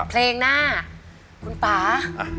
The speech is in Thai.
เพลงหน้าคุณป่า